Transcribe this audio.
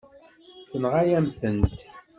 Tenɣa-yam-tent.